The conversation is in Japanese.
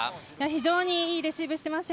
非常にいいレシーブしてます。